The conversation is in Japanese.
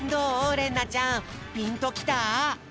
れんなちゃんピンときた？